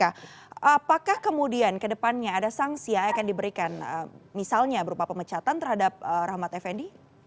apakah kemudian ke depannya ada sanksi yang akan diberikan misalnya berupa pemecatan terhadap rahmat effendi